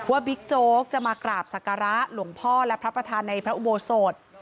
บิ๊กโจ๊กจะมากราบศักระหลวงพ่อและพระประธานในพระอุโบสถ